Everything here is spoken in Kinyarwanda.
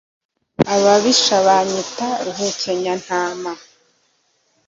ababisha banyita rukenyantambara.